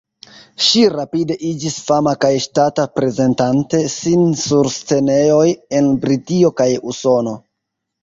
Ŝi rapide iĝis fama kaj ŝatata, prezentante sin sur scenejoj en Britio kaj Usono.